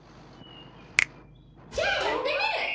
じゃあやってみる！